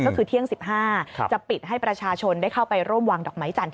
ก็คือเที่ยง๑๕จะปิดให้ประชาชนได้เข้าไปร่วมวางดอกไม้จันทร์